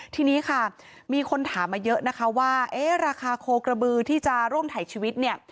ทีนี้ค่ะมีคนถามมาเยอะนะคะว่าราคาโคกระบือที่จะร่วมถ่ายชีวิตเนี่ย